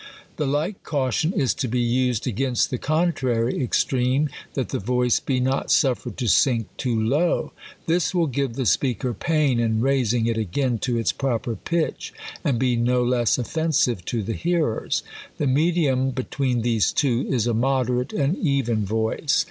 The like caution is to be used against the contrary extreme, that the voice be not suffered to sink too low. This will give the speaker pain in raising it again to its proper pilch, and be no less offensive to the hearers. The medium between these two is a moderate and even voice.